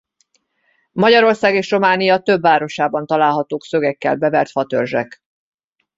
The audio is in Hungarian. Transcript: Magyarország és Románia több városában találhatók szögekkel bevert fatörzsek.